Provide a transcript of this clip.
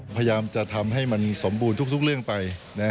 พยายามจะทำให้มันสมบูรณ์ทุกเรื่องไป